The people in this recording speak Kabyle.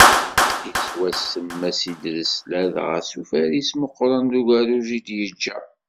Yettwassen Mass Idres, ladɣa, s ufaris meqqren d ugerruj i d-yeǧǧa.